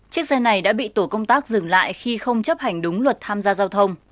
chiếc xe này đã bị tổ công tác dừng lại khi không chấp hành đúng luật tham gia